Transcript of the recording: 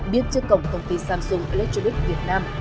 biết chất cổng công ty samsung electrolux việt nam